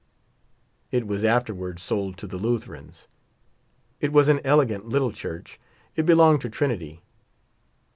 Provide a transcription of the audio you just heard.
It was afterward sold to the Lutherans. It was an elegant little church ; it belonged to Trinity.